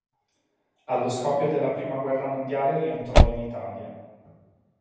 Allo scoppio della Prima guerra mondiale rientrò in Italia.